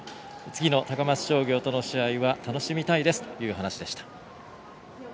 次の高松商業との試合は楽しみたいですという話でした。